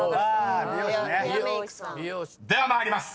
［では参ります］